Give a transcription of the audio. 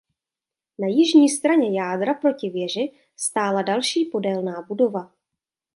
Na jižní straně jádra proti věži stála další podélná budova.